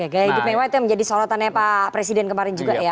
gaya hidup mewah itu yang menjadi sorotannya pak presiden kemarin juga ya